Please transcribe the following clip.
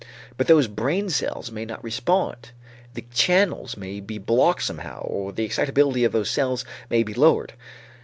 But those brain cells may not respond, the channels may be blocked somehow or the excitability of those cells may be lowered.